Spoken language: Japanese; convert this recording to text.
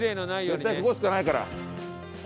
絶対ここしかないから。